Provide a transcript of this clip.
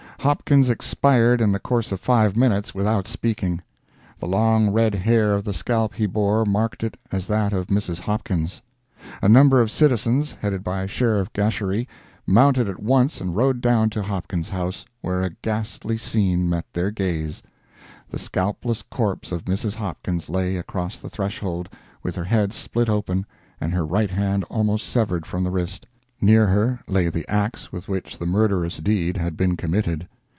Hopkins expired in the course of five minutes, without speaking. The long red hair of the scalp he bore marked it as that of Mrs. Hopkins. A number of citizens, headed by Sheriff Gasherie, mounted at once and rode down to Hopkins' house, where a ghastly scene met their gaze. The scalpless corpse of Mrs. Hopkins lay across the threshold, with her head split open and her right hand almost severed from the wrist. Near her lay the ax with which the murderous deed had been committed.